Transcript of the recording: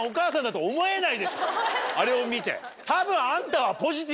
あれを見て。